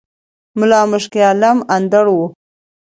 ملا مُشک عالَم اندړ وو